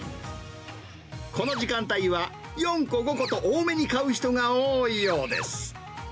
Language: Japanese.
この時間帯は４個、５個と多めに買う人が多いようです。